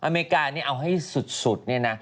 อเมริกานี่เอาให้สุดเนี่ยนะ